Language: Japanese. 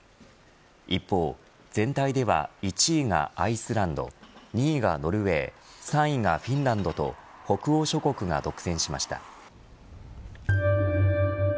一方全体では１位がアイスランド２位がノルウェー３位がフィンランドと北欧諸国が独占しました。